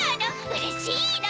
うれしの！